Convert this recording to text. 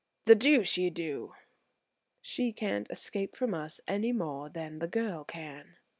"The deuce you do!" "She can't escape from us any more than the girl can."